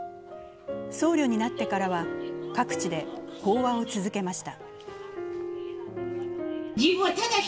僧侶になってからは各地で法話を続けました。